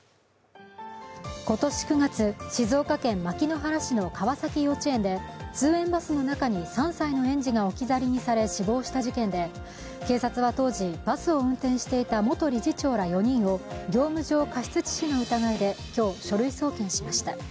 今年９月、静岡県牧之原市の川崎幼稚園で通園バスの中に３歳の園児が置き去りにされ、死亡した事件で警察は当時、バスを運転していた元理事長ら４人を業務上過失致死の疑いで今日、書類送検しました。